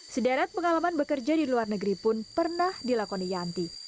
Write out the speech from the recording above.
sederet pengalaman bekerja di luar negeri pun pernah dilakoni yanti